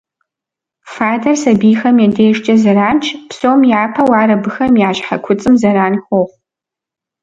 Фадэр сабийхэм я дежкӀэ зэранщ, псом япэу ар абыхэм я щхьэ куцӀым зэран хуохъу.